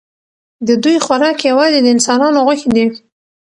د دوی خوراک یوازې د انسانانو غوښې دي.